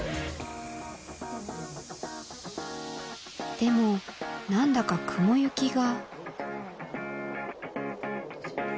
でも何だか雲行きが。